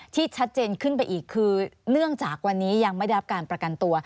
ที่ชัดเจนขึ้นไปอีกคือเนื่องจากวันนี้ยังไม่ได้รับการประกันตัว